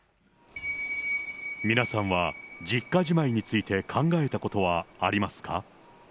皆さんは実家じまいについて考えたことはありますか？